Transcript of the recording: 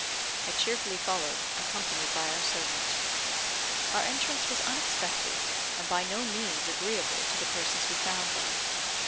I cheerfully followed, accompanied by our servant. Our entrance was unexpected, and by no means agreeable to the persons we found there.